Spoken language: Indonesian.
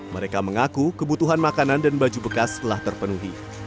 mereka mengaku kebutuhan makanan dan baju bekas telah terpenuhi